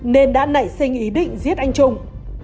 nên đã nảy sinh ý định giết anh trung